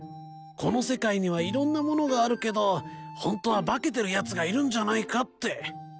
この世界にはいろんなものがあるけどホントは化けてるやつがいるんじゃないかって。